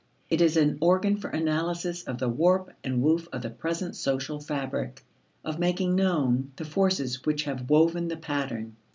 It is an organ for analysis of the warp and woof of the present social fabric, of making known the forces which have woven the pattern.